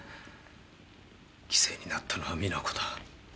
犠牲になったのは実那子だ。